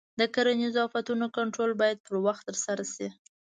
د کرنیزو آفتونو کنټرول باید پر وخت ترسره شي.